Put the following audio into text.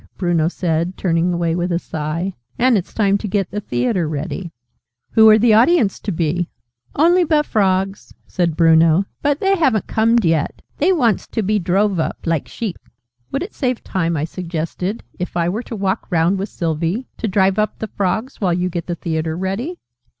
Bruno said, turning away with a sigh. "And it's time to get the Theatre ready." "Who are the audience to be?" "Only but Frogs," said Bruno. "But they haven't comed yet. They wants to be drove up, like sheep." "Would it save time," I suggested, "if I were to walk round with Sylvie, to drive up the Frogs, while you get the Theatre ready?"